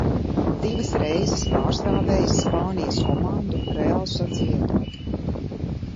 "Divas reizes pārstāvējis Spānijas komandu "Real Sociedad"."